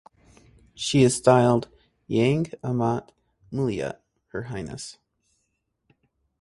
She is styled "Yang Amat Mulia" ("Her Highness").